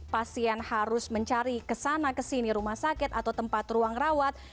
pasien harus mencari kesana kesini rumah sakit atau tempat ruang rawat